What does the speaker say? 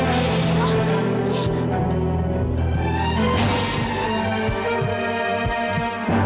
aida semua rupanya